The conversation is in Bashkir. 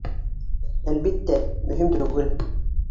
Әлбиттә, мөһим түгел!